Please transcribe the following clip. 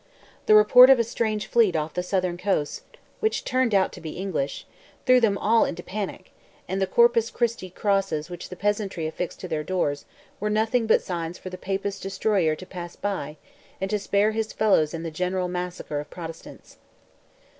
The report of a strange fleet off the Southern coast, which turned out to be English, threw them all into panic; and the Corpus Christi crosses which the peasantry affixed to their doors, were nothing but signs for the Papist destroyer to pass by, and to spare his fellows in the general massacre of Protestants.